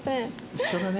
一緒だね。